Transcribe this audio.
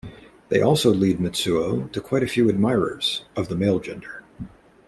They also lead Mitsuo to quite a few admirers-of the male gender.